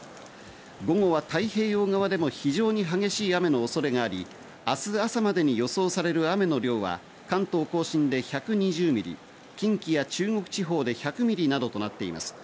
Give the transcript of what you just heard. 午後は太平洋側でも非常に激しい雨の恐れがあり、明日朝までに予想される雨の量は関東・甲信で１２０ミリ、近畿や中国地方で１００ミリなどとなっています。